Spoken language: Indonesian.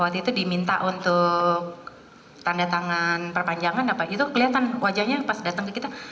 waktu itu diminta untuk tanda tangan perpanjangan apa itu kelihatan wajahnya pas datang ke kita